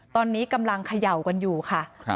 ตอนนี้กำลังเขย่ากันอยู่ค่ะ